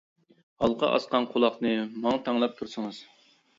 ھالقا ئاسقان قۇلاقنى، ماڭا تەڭلەپ تۇرسىڭىز.